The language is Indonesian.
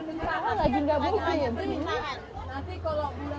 bukannya sudah mulai murah